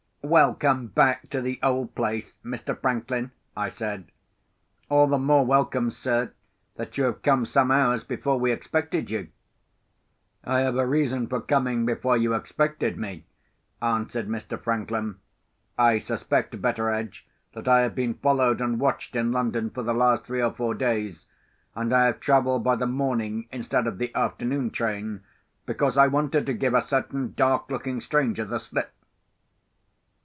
"Welcome back to the old place, Mr. Franklin," I said. "All the more welcome, sir, that you have come some hours before we expected you." "I have a reason for coming before you expected me," answered Mr. Franklin. "I suspect, Betteredge, that I have been followed and watched in London, for the last three or four days; and I have travelled by the morning instead of the afternoon train, because I wanted to give a certain dark looking stranger the slip."